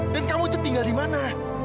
dan kamu tuh tinggal di mana